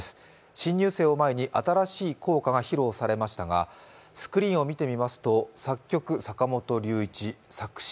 新入生を前に新しい校歌が披露されましたがスクリーンを見てみますと作曲坂本龍一作詞